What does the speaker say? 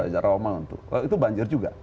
jawa bantuan itu banjir juga